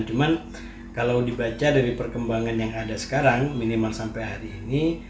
cuman kalau dibaca dari perkembangan yang ada sekarang minimal sampai hari ini